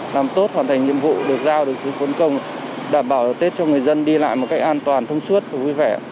làm tốt hoàn thành nhiệm vụ được giao được sự phấn công đảm bảo tết cho người dân đi lại một cách an toàn thông suốt và vui vẻ